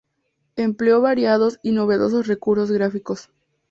Empleó variados y novedosos recursos gráficos.